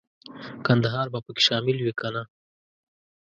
کندهار به پکې شامل وي کنه.